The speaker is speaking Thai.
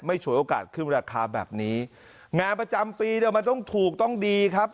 ฉวยโอกาสขึ้นราคาแบบนี้งานประจำปีเนี่ยมันต้องถูกต้องดีครับ